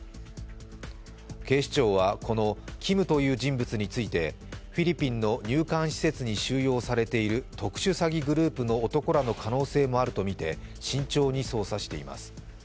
警視庁は、このＫＩＭという人物についてフィリピンの入管施設に収容されている特殊詐欺グループの男らの可能性もあるとみて慎重に捜査しています。